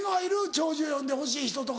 弔辞を読んでほしい人とか。